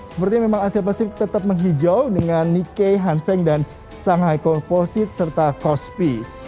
sepertinya memang asia pasifik tetap menghijau dengan nike hanseng dan shanghai komposit serta kospi